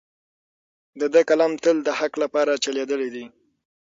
د ده قلم تل د حق لپاره چلیدلی دی.